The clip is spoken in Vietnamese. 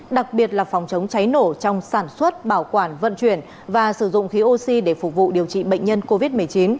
đặc biệt là phòng chống cháy nổ trong sản xuất bảo quản vận chuyển và sử dụng khí oxy để phục vụ điều trị bệnh nhân covid một mươi chín